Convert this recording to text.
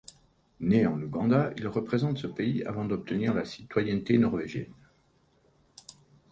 Né en Ouganda, il représente ce pays avant d'obtenir la citoyenneté norvégienne.